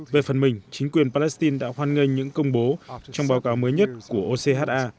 về phần mình chính quyền palestine đã hoan nghênh những công bố trong báo cáo mới nhất của ocha